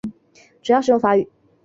主要使用法语。